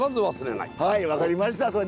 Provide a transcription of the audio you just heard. はい分かりました。